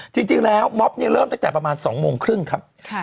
จริงแล้วม็อบเริ่มตั้งแต่ประมาณ๒โมงครึ่งครับ